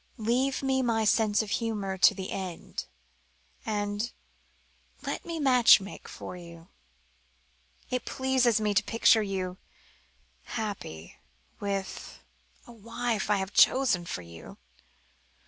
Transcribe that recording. Leave me my sense of humour to the end. And let me match make for you. It pleases me to picture you happy with a wife I have chosen for you."